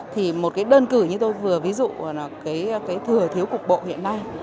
thì một cái đơn cử như tôi vừa ví dụ là cái thừa thiếu cục bộ hiện nay